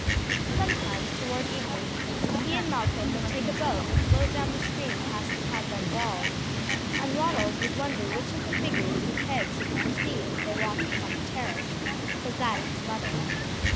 Sometimes towards evening he and Malcolm would take a boat and float down the stream past the convent walls, and Ronald would wonder which of the figures whose heads he could perceive as they walked upon the terrace, was that of his mother.